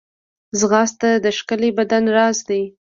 ځغاسته د ښکلي بدن راز دی